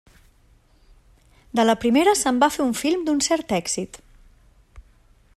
De la primera se'n va fer un film d'un cert èxit.